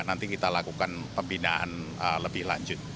nanti kita lakukan pembinaan lebih lanjut